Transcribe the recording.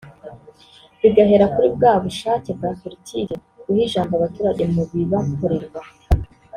bigahera kuri bwa bushake bwa politiki buha ijambo abaturage mu bibakorerwa